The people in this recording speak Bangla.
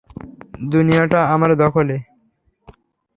দুনিয়াটা আমার দখলে।